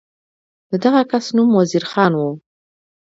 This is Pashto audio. د دغه کس نوم وزیر خان و.